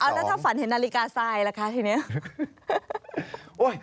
แล้วถ้าฝันเห็นนาฬิกาทรายล่ะคะทีนี้